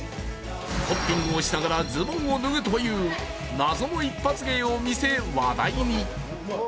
ホッピングをしながらズボンを脱ぐという謎の一発芸を見せ、話題に。